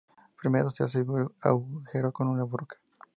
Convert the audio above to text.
Primero se hace el agujero con una broca.